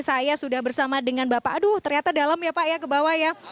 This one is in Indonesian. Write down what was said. saya sudah bersama dengan bapak aduh ternyata dalam ya pak ya ke bawah ya